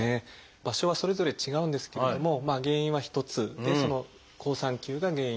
場所はそれぞれ違うんですけれどもまあ原因は一つでその好酸球が原因と考えられてますね。